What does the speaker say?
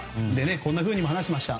こんなふうにも話しました。